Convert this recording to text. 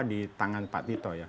di tangan pak tito ya